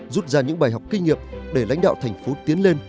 rút ra những bài học kinh nghiệm để lãnh đạo thành phố tiến lên